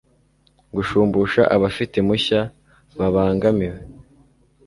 gushumbusha abafite impushya babangamiwe